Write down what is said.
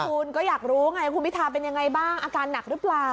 มีอยู่แล้วนะคุณก็อยากรู้ไงคุณพิธาเป็นยังไงบ้างอาการหนักหรือเปล่า